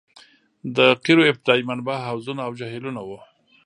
د قیرو ابتدايي منبع حوضونه او جهیلونه وو